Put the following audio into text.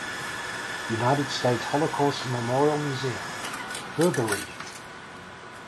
United States Holocaust Memorial Museum: Further Reading.